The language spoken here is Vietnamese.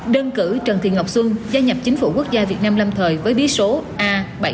đơn cử trần thị ngọc xuân gia nhập chính phủ quốc gia việt nam lâm thời với bí số a bảy trăm bốn mươi